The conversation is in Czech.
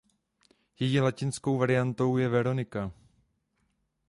Její latinskou variantou je Veronika.